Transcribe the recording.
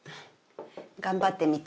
頑張ってみた。